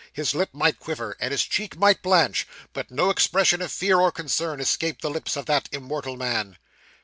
His lip might quiver, and his cheek might blanch, but no expression of fear or concern escaped the lips of that immortal man.